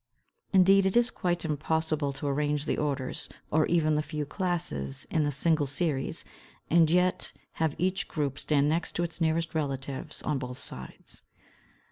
Indeed, it is quite impossible to arrange the orders, or even the few classes, in a single series, and yet have each group stand next to its nearest relatives on both sides.